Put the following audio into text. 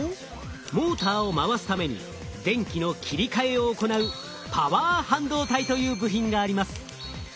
モーターを回すために電気の切り替えを行うパワー半導体という部品があります。